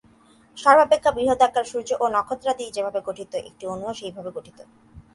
সর্বাপেক্ষা বৃহদাকার সূর্য ও নক্ষত্রাদি যেভাবে গঠিত, একটি অণুও সেইভাবে গঠিত।